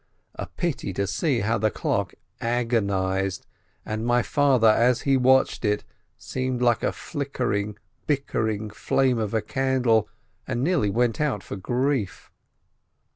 A pity to see how the clock agonized, and my father, as he watched it, seemed like a nickering, bickering flame of a candle, and nearly went out for grief.